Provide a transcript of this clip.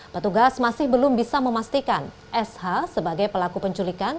petugas masih belum bisa memastikan sh sebagai pelaku penculikan